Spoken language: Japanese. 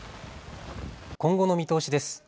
今後の見通しです。